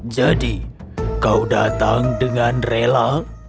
jadi kau datang dengan rela